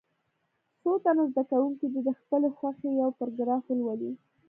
څو تنه زده کوونکي دې د خپلې خوښې یو پاراګراف ولولي.